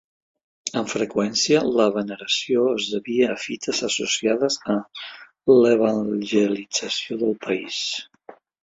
Amb freqüència, la veneració es devia a fites associades a l'evangelització del país.